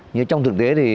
nhưng trong thực tế